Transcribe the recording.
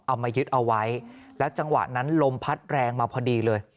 เอามายึดเอาไว้แล้วจังหวะนั้นลมพัดแรงมาพอดีเลย